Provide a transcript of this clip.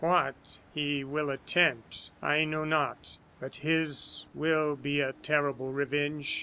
What he will attempt, I know not; but his will be a terrible revenge.